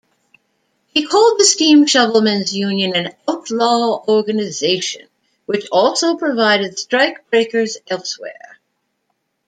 He called the Steam Shovelmen's Union an "outlaw organization" which also provided strikebreakers elsewhere.